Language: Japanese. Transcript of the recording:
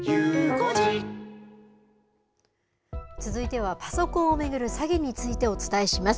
続いてはパソコンを巡る詐欺についてお伝えします。